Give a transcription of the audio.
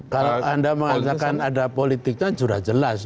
kalau anda mengatakan ada politiknya sudah jelas